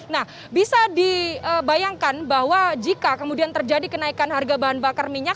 nah bisa dibayangkan bahwa jika kemudian terjadi kenaikan harga bahan bakar minyak